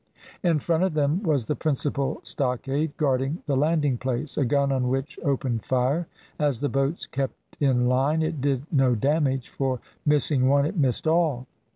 In front of them was the principal stockade, guarding the landing place, a gun on which opened fire. As the boats kept in line it did no damage, for missing one it missed all.